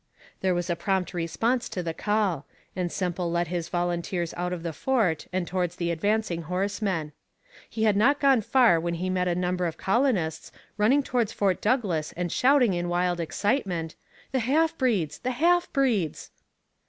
There was a prompt response to the call, and Semple led his volunteers out of the fort and towards the advancing horsemen. He had not gone far when he met a number of colonists, running towards Fort Douglas and shouting in wild excitement: 'The half breeds! the half breeds!'